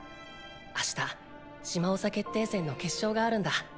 明日シマオサ決定戦の決勝があるんだ。